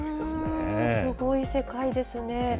すごい世界ですね。